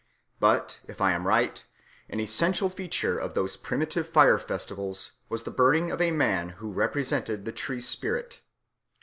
But, if I am right, an essential feature of those primitive fire festivals was the burning of a man who represented the tree spirit.